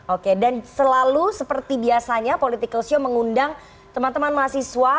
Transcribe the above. oke dan selalu seperti biasanya political show mengundang teman teman mahasiswa